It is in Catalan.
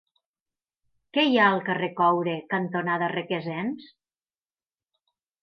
Què hi ha al carrer Coure cantonada Requesens?